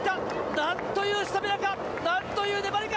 なんというスタミナか、なんという粘りか。